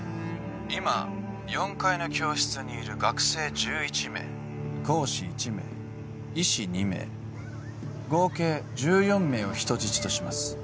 今４階の教室にいる学生１１名講師１名医師２名合計１４名を人質とします